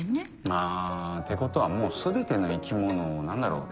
あぁってことはもう全ての生き物を何だろう